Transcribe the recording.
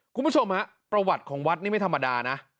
คุณผู้ชมฮะประวัติของวัดนี่ไม่ธรรมดานะ